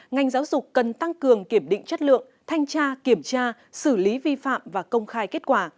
ngành giáo dục cần tăng cường kiểm định chất lượng thanh tra kiểm tra xử lý vi phạm và công khai kết quả